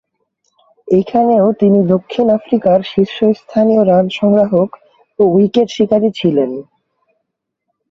এখানেও তিনি দক্ষিণ আফ্রিকার শীর্ষস্থানীয় রান সংগ্রাহক ও উইকেট শিকারী ছিলেন।